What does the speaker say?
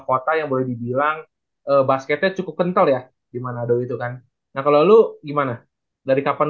kota yang boleh dibilang basketnya cukup kental ya dimanado itu kan nah kalau gimana dari kapan